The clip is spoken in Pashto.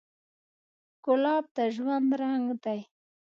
ګلاب د ژوند رنګ دی.